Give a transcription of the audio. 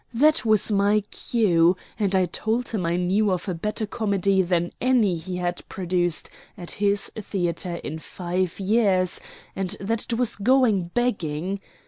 That was my cue, and I told him I knew of a better comedy than any he had produced at his theatre in five years, and that it was going begging.